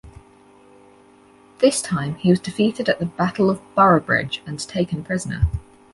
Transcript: This time he was defeated at the Battle of Boroughbridge, and taken prisoner.